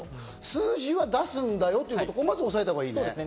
数字は出すんだよということをまず押さえたほうがいいね。